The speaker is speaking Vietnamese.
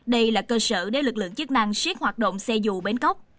đây là cơ sở để lực lượng chức năng siết hoạt động xe dù bến cóc